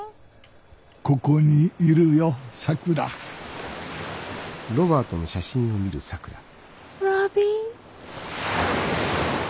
ここにいるよさくらロビー。